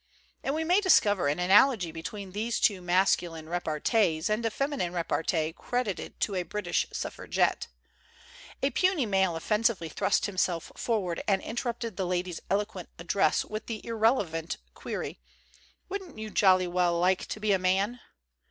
And we may discover an analogy between these two masculine rep 174 THE GENTLE ART OF REPARTEE artees and a feminine repartee credited to a British suffragette. A puny male offensively thrust himself forward and interrupted the lady's eloquent address with the irrelevant query, "Wouldn't you jolly well like to be a man?"